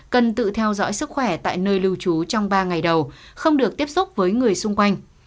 cần tự theo dõi sức khỏe tại nơi lưu trú trong ba ngày đầu không được tiếp xúc với người xung quanh